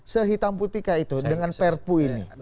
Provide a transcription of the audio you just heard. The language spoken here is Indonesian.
sehitam putih itu dengan prpu ini